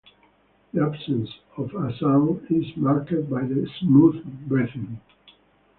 The absence of an sound is marked by the smooth breathing.